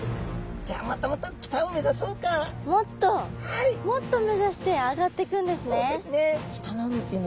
もっと目指して上がっていくんですね。